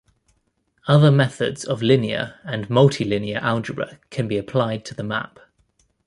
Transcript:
Other methods of linear and multilinear algebra can be applied to the map.